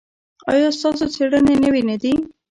ایا ستاسو څیړنې نوې نه دي؟